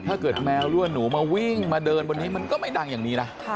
ถ้าเกิดแมวรั่วหนูมาวิ่งมาเดินบนนี้มันก็ไม่ดังอย่างนี้นะ